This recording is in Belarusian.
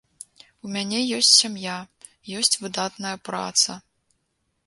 У мяне ёсць сям'я, ёсць выдатная праца.